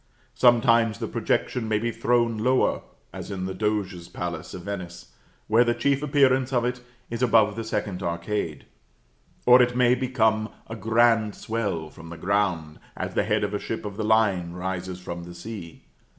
Sometimes the projection may be thrown lower, as in the Doge's palace of Venice, where the chief appearance of it is above the second arcade; or it may become a grand swell from the ground, as the head of a ship of the line rises from the sea.